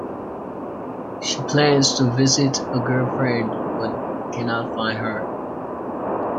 She plans to visit a girlfriend but cannot find her.